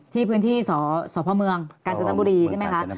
ที่พื้นที่สพเมืองกาญจนบุรีใช่ไหมคะ